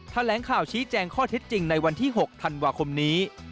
แถลงข่าวชี้แจงข้อเท็จจริงในวันที่๖ธันวาคมนี้